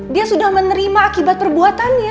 dia sudah menerima akibat perbuatannya